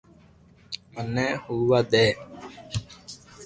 منو ھووا دي